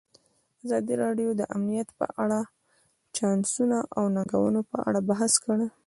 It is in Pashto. ازادي راډیو د امنیت په اړه د چانسونو او ننګونو په اړه بحث کړی.